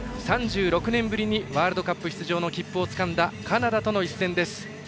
３６年ぶりにワールドカップ出場の切符をつかんだカナダとの１戦です。